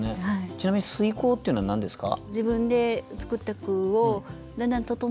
ちなみに推敲っていうのは何ですか？